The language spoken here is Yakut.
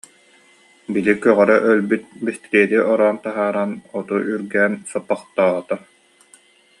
Били көҕөрө өлбүт бэстилиэти ороон таһааран, оту үргээн соппохтоото